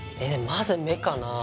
まず目かなぁ。